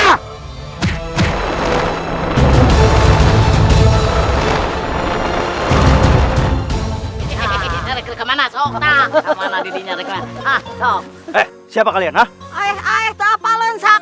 nanti kita cari mereka kemana sok